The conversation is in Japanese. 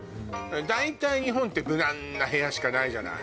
大体日本って無難な部屋しかないじゃない。